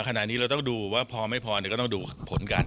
ขณะนี้เราต้องดูว่าพอไม่พอก็ต้องดูผลกัน